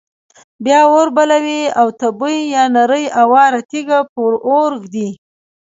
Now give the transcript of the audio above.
بیا اور بلوي او تبۍ یا نرۍ اواره تیږه پر اور ږدي.